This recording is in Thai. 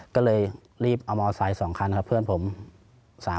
ก็เลยรีบเอามอไซค์๒คันครับเพื่อนผม